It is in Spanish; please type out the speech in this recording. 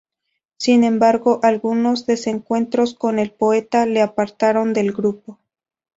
Sin embargo, algunos desencuentros con el poeta le apartaron del grupo.